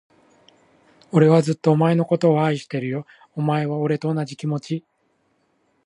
俺はずっと、お前のことを愛してるよ。お前は、俺と同じ気持ち？